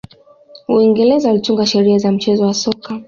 uingereza walitunga sheria za mchezo wa soka